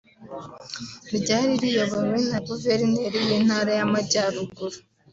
ryari riyobowe na Guverineri w’Intara y’Amajyaruguru